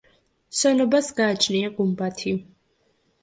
შენობას გააჩნია გუმბათი.